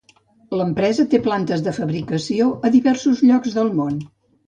L'empresa té plantes de fabricació a diversos llocs del món.